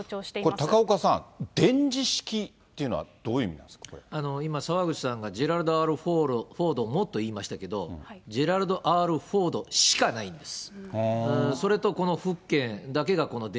これ、高岡さん、電磁式っていうのはどういう意味なんですか今、澤口さんがジェラルド・Ｒ・フォードもと言いましたけれども、ジェラルド・Ｒ・フォードしかないんです。